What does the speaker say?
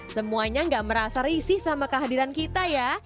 semuanya gak merasa risih sama kehadiran kita ya